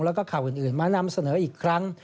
แล้วก็ข่าวอื่นมานำเสนออีกครั้ง